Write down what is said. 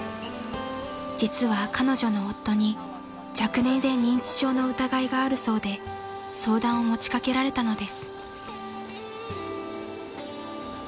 ［実は彼女の夫に若年性認知症の疑いがあるそうで相談を持ち掛けられたのです］